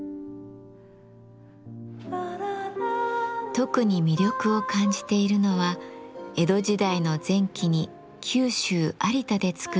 特に魅力を感じているのは江戸時代の前期に九州・有田で作られた古伊万里。